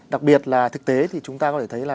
đặc biệt là thực tế thì chúng ta có thể thấy là